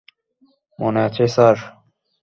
মনে আছে, স্যার।